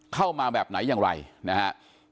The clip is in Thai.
เข้ามาแบบไหนอย่างไรนะฮะ